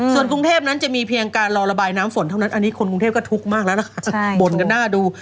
ส่วนกรุงเทพนั้นจะมีเพียงการรอระบายน้ำฝนเท่านั้นอันนี้คนกรุงเทพก็ทุกข์มากแล้วนะคะบ่นกันหน้าดู